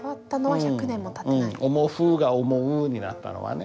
「思ふ」が「思う」になったのはね。